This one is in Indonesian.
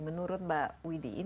menurut mbak widy